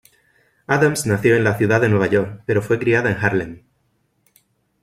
Adams nació en la ciudad de Nueva York pero fue criada en Harlem.